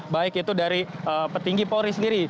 baik itu dari petinggi polri sendiri